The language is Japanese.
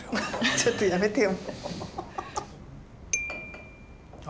ちょっとやめてよ。